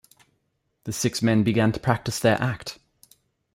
The six men begin to practice their act.